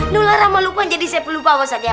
nulara malukman jadi saya perlu bawa ustadz ya